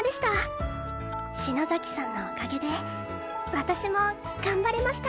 篠崎さんのおかげで私も頑張れました。